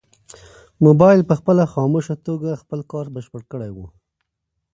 موبایل په خاموشه توګه خپل کار بشپړ کړی و.